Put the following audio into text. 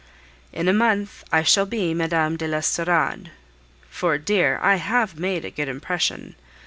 In a month I shall be Mme. de l'Estorade; for, dear, I have made a good impression.